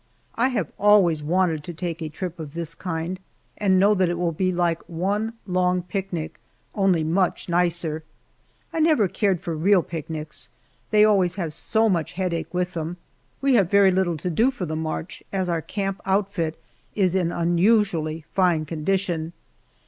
I have always wanted to take a trip of this kind, and know that it will be like one long picnic, only much nicer. I never cared for real picnics they always have so much headache with them. We have very little to do for the march as our camp outfit is in unusually fine condition.